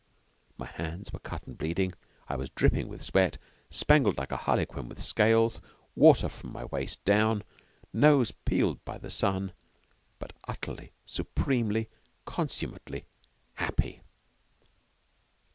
My hands were cut and bleeding, I was dripping with sweat, spangled like a harlequin with scales, water from my waist down, nose peeled by the sun, but utterly, supremely, and consummately happy.